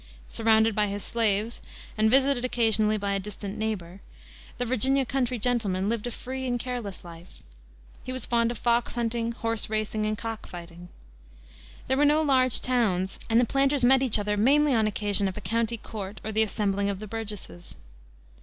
Surrounded by his slaves, and visited occasionally by a distant neighbor, the Virginia country gentleman lived a free and careless life. He was fond of fox hunting, horse racing, and cock fighting. There were no large towns, and the planters met each other mainly on occasion of a county court or the assembling of the Burgesses.